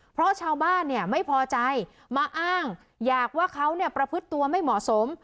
เพราะชาวบ้านเนี่ยไม่พอใจมาอ้างอยากว่าเขาเนี่ยประพฤติตัวไม่เหมาะสม